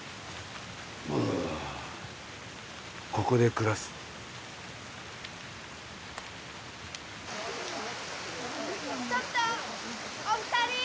うわあっここで暮らすちょっとお二人！